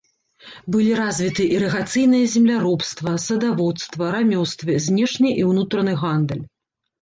Былі развіты ірыгацыйнае земляробства, садаводства, рамёствы, знешні і ўнутраны гандаль.